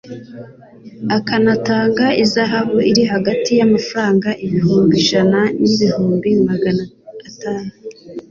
akanatanga ihazabu iri hagati y'amafaranga ibihumbi ijana n'ibihumbi magana atanu